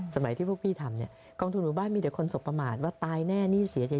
สมัยที่พวกพี่ทำเนี่ยกองทุนหมู่บ้านมีแต่คนสบประมาทว่าตายแน่หนี้เสียจริง